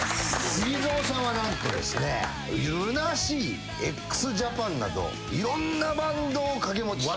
ＳＵＧＩＺＯさんは何とですね「ＬＵＮＡＳＥＡ」「ＸＪＡＰＡＮ」などいろんなバンドを掛け持ちして。